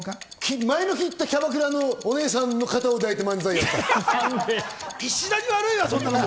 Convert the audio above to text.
前の日に行ったキャバクラのお姉さんの肩を抱いて漫才をやった。